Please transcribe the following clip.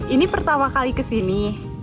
ini pertama kali kesini